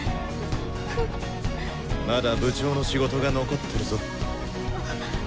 まだ部長の仕事が残ってるぞ。